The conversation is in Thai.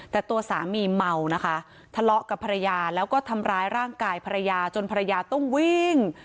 แต่ตัวสามีเมานะคะทะเลาะกับภรรยาแล้วก็ทำร้ายร่างกายภรรยาจนภรรยาต้องวิ่ง